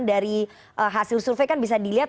dari hasil survei kan bisa dilihat